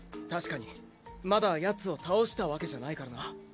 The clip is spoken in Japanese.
確かにまだヤツを倒したわけじゃないからな。